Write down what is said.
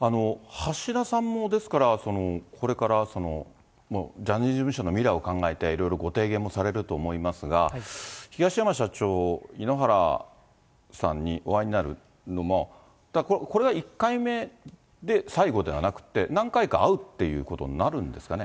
橋田さんも、ですから、これからジャニーズ事務所の未来を考えて、いろいろご提言をされると思いますが、東山社長、井ノ原さんにお会いになるのも、これは１回目で、最後ではなくって、何回か会うっていうことになるんですかね。